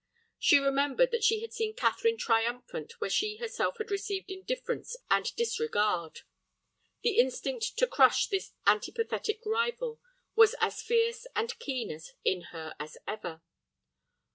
She remembered that she had seen Catherine triumphant where she herself had received indifference and disregard. The instinct to crush this antipathetic rival was as fierce and keen in her as ever.